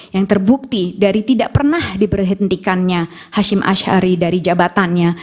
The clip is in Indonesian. yang terbukti dari tidak pernah diberhentikannya hashim ashari dari jabatannya